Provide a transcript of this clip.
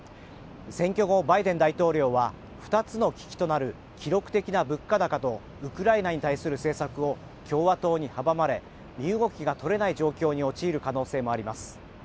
選挙後バイデン大統領は２つの危機となる記録的な物価高とウクライナに対する政策を共和党に阻まれ身動きが取れない状況に陥る可能性もあります。